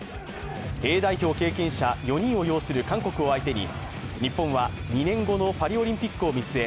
Ａ代表経験者４人を擁する韓国を相手に日本は２年後のパリオリンピックを見据え